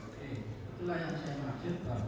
belum bayar sebanyak dua belas orang